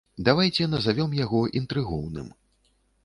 Давайце назавём яго інтрыгоўным.